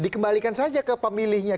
dikembalikan saja ke pemilihnya